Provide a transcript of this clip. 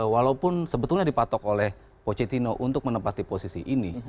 walaupun sebetulnya dipatok oleh pochettino untuk menempati posisi ini